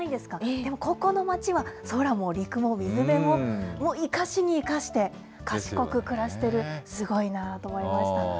でもここの町は空も陸も水辺も、もう、生かしに生かして、賢く暮らしてる、すごいなあと思いました。